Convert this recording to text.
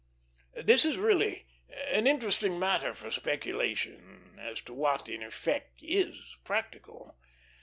This is really an interesting matter for speculation, as to what in effect is practical.